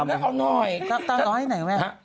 เหมือนตามไปสัมภาพน้องก็เหรอ